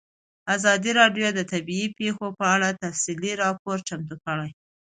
ازادي راډیو د طبیعي پېښې په اړه تفصیلي راپور چمتو کړی.